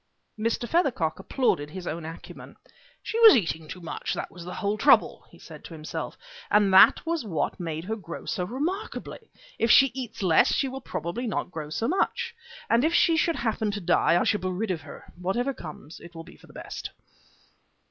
Mr. Feathercock applauded his own acumen. "She was eating too much; that was the whole trouble," he said to himself. "And that was what made her grow so remarkably. If she eats less she will probably not grow so much. And if she should happen to die, I shall be rid of her. Whatever comes, it will be for the best."